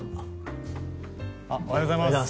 おはようございます